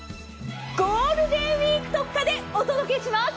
ゴールデンウイーク特価でお届けします。